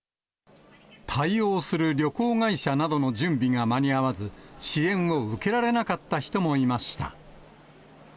対応する旅行会社などの準備が間に合わず、支援を受けられなかった人もいました。